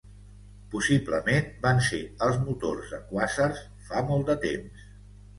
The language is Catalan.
Possiblement, van ser els motors de quàsars fa molt de temps.